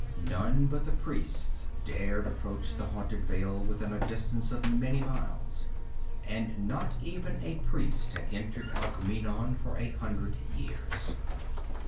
None but the priests dared approach the haunted vale within a distance of many miles. And not even a priest had entered Alkmeenon for a hundred years.